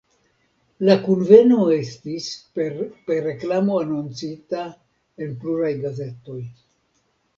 La kunveno estis per reklamo anoncita en pluraj gazetoj.